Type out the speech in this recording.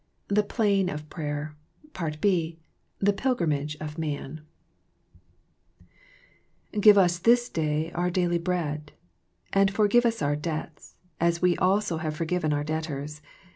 THE PLANE OF PRAYER (b) The Pilgrimage of Man " Give us this day our daily bread. And forgive us our debts, as we also have forgiven our debtors.